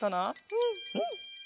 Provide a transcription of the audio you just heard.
うん！